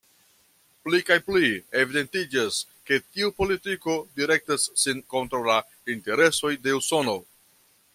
Pli kaj pli evidentiĝas, ke tiu politiko direktas sin kontraŭ la interesoj de Usono.